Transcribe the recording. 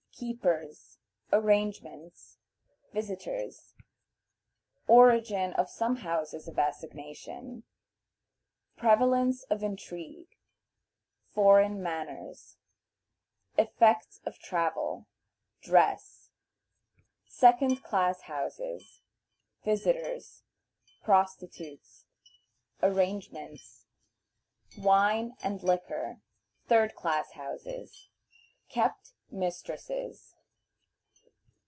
Keepers. Arrangements. Visitors. Origin of some Houses of Assignation. Prevalence of Intrigue. Foreign Manners. Effects of Travel. Dress. Second Class Houses. Visitors. Prostitutes. Arrangements. Wine and Liquor. Third Class Houses. Kept Mistresses.